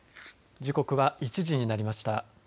時刻は１時になりました。